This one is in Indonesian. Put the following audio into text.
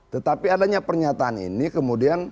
tetapi adanya pernyataan ini kemudian